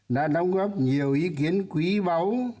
đã đóng góp nhiều ý kiến quý báu